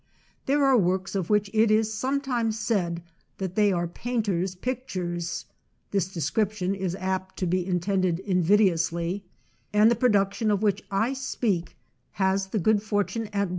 There are works of which it is sometimes said that they are painters' pictures (this description is apt to be in tended invidiously), and the production of which I speak has the good fortune at 686 HARPER'S NEW MONTHLY MAGAZINE.